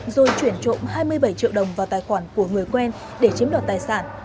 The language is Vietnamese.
rồi chuyển trộm hai mươi bảy triệu đồng vào tài khoản của người quen để chiếm đoạt tài sản